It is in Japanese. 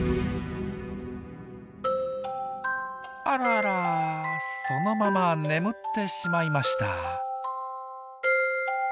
あらあらそのまま眠ってしまいました。